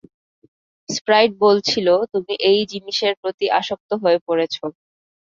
Sprite বলছিল তুমি এই জিনিসের প্রতি আসক্ত হয়ে পড়েছ।